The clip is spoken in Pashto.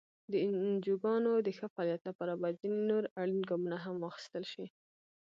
د انجوګانو د ښه فعالیت لپاره باید ځینې نور اړین ګامونه هم واخیستل شي.